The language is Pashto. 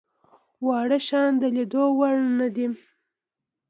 واړه شيان د ليدلو وړ نه دي.